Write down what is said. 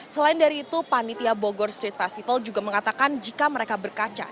selain dari itu panitia bogor street festival juga mengatakan jika mereka berkaca